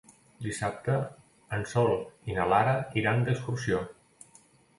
Dissabte en Sol i na Lara iran d'excursió.